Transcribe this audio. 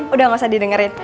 udah gak usah didengerin